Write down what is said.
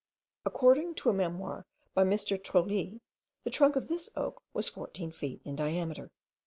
According to a memoir by M. Traullee, the trunk of this oak was 14 feet in diameter.)